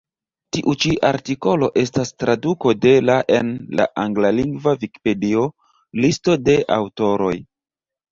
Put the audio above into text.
Tiu ĉi artikolo estas traduko de la en la anglalingva vikipedio, listo de aŭtoroj.